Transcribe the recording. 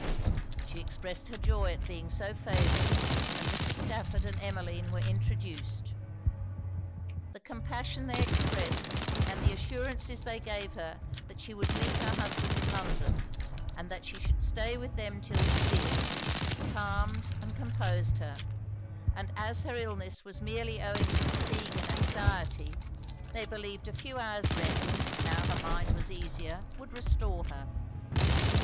She expressed her joy at being so favoured, and Mrs. Stafford and Emmeline were introduced. The compassion they expressed, and the assurances they gave her that she would meet her husband in London, and that she should stay with them 'till she did, calmed and composed her; and as her illness was merely owing to fatigue and anxiety, they believed a few hours rest, now her mind was easier, would restore her.